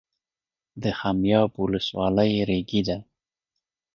د خمیاب ولسوالۍ ریګي ده